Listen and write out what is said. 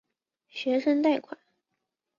学生贷款。